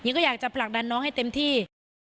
ก็อยากจะผลักดันน้องให้เต็มที่